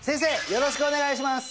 よろしくお願いします